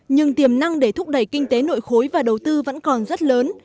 nhưng tiềm năng để thúc đẩy kinh tế nội khối và đầu tư vẫn còn rất lớn